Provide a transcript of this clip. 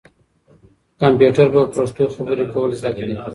کمپیوټر به په پښتو خبرې کول زده کړي.